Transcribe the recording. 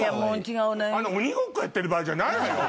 鬼ごっこやってる場合じゃない。